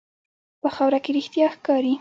په خاوره کې رښتیا ښکاري.